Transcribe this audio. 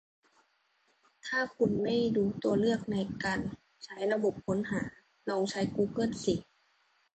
ถ้าคุณไม่รู้ตัวเลือกในการใช้ระบบค้นหา ลองใช้กูเกิ้ลสิ